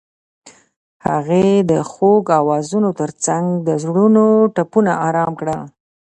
هغې د خوږ اوازونو ترڅنګ د زړونو ټپونه آرام کړل.